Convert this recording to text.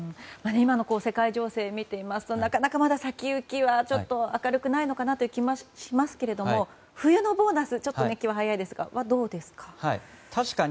今の世界情勢を見ていますと、なかなか先行きはちょっと明るくないのかなという気もしますけれども冬のボーナス気は早いですがどうですか。